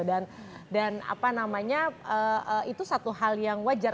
dan apa namanya itu satu hal yang wajar